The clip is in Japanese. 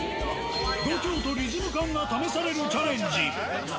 度胸とリズム感が試されるチャレンジ。